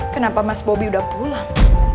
kenapa mas bobi udah pulang